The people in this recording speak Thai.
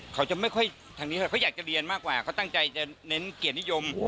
เขาอยากจะเรียนมากกว่าเขาตั้งใจจะเน้นเกียรตินิยม